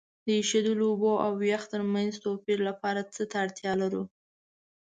د ایشیدلو اوبو او یخ ترمنځ توپیر لپاره څه ته اړتیا لرو؟